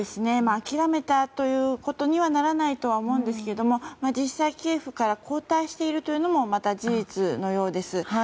諦めたということにはならないとは思うんですけど実際、キエフから後退しているというのもまた事実のようです。